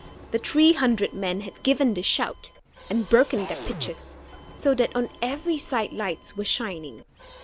The three hundred men had given the shout, and broken their pitchers, so that on every side lights were shining.